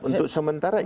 untuk sementara ini